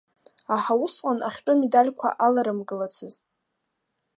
Аха усҟан ахьтәы медальқәа аларымгалацызт.